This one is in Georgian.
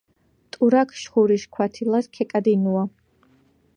ტურაქ შხურიშ ქვათილას ქეკადინუა.